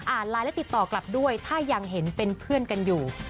ไลน์และติดต่อกลับด้วยถ้ายังเห็นเป็นเพื่อนกันอยู่